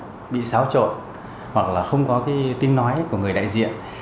là sẽ bị xáo trộn hoặc là không có cái tiếng nói của người đại diện